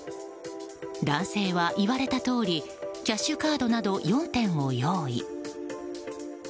男性は言われたとおりキャッシュカードなど４点を用意。